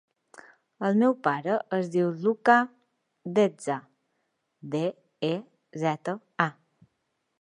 El meu pare es diu Lucca Deza: de, e, zeta, a.